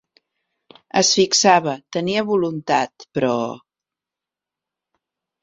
Es fixava, tenia voluntat, però...